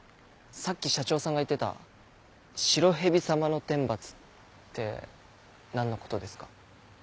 さっき社長さんが言ってた「白蛇様の天罰」って何のことですか？